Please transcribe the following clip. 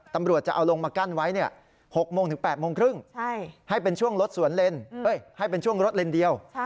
ตำรวจจะเอาลงมากั้นไว้เนี่ย๖โมงถึง๘โมงครึ่งให้เป็นช่วงรถเลนส์เดียว